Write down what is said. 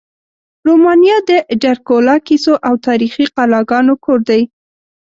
رومانیا د ډرکولا کیسو او تاریخي قلاګانو کور دی.